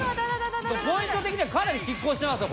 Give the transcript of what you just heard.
ポイント的にはかなり拮抗してますよ